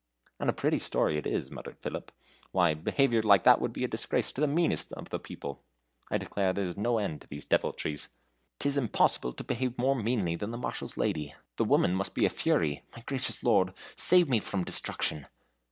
"And a pretty story it is," muttered Philip; "why, behavior like that would be a disgrace to the meanest of the people. I declare there is no end to these deviltries." "Yes, indeed. 'T is impossible to behave more meanly than the Marshal's lady. The woman must be a fury. My gracious Lord, save me from destruction."